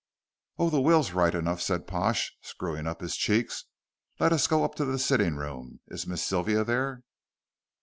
"Oh, the will's right enough," said Pash, screwing up his cheeks; "let us go up to the sitting room. Is Miss Sylvia there?"